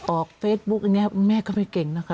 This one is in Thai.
ออกเฟซบุ๊กอย่างนี้แม่เขาไม่เก่งนะคะ